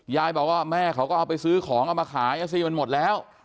ยายบอกว่าแม่เขาเอาไปซื้อของมาขายเอาซีมันหมดแล้ว